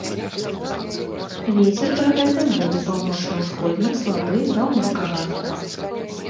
Вецер пры гэтым будзе паўночна-ўсходні, слабы да ўмеркаванага.